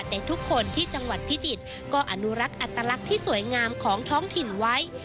แต่ทุกคนที่จังหวัดพิจิตรก็อนุรักษ์อัตลักษณ์ที่สวยงามของท้องถิ่นไว้